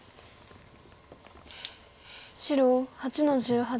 白８の十八。